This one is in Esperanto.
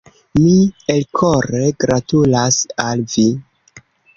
Mi elkore gratulas al vi!